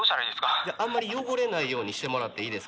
あんまり汚れないようにしてもらっていいですか。